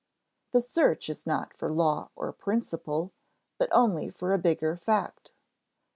The search is not for a law or principle, but only for a bigger fact.